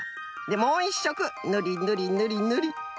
でもう１しょくぬりぬりぬりぬり。